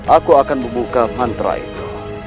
aku akan membuka mantra itu